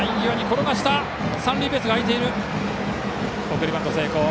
送りバント成功。